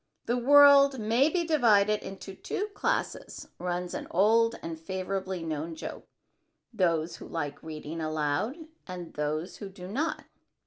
"The world may be divided into two classes," runs an old and favorably known joke, "those who like reading aloud and those who do not.